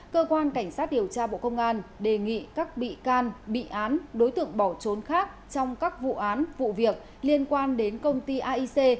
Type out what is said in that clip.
cơ quan cảnh sát điều tra bộ công an đề nghị các bị can bị án đối tượng bỏ trốn khác trong các vụ án vụ việc liên quan đến công ty aic